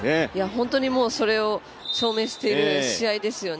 本当にそれを証明している試合ですよね。